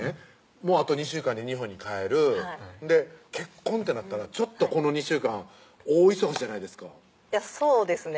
もうあと２週間で日本に帰る結婚ってなったらちょっとこの２週間大忙しじゃないですかそうですね